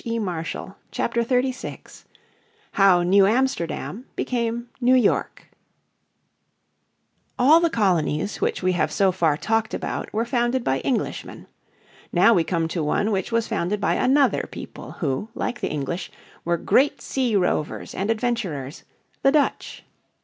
__________ Chapter 36 How New Amsterdam Became New York All the colonies which we have so far talked about were founded by Englishmen. Now we come to one which was founded by another people who, like the English, were great sea rovers and adventurer's the Dutch.